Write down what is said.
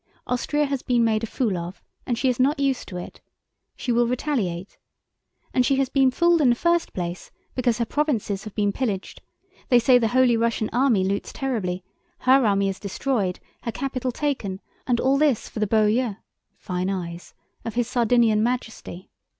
Austria has been made a fool of, and she is not used to it. She will retaliate. And she has been fooled in the first place because her provinces have been pillaged—they say the Holy Russian army loots terribly—her army is destroyed, her capital taken, and all this for the beaux yeux * of His Sardinian Majesty.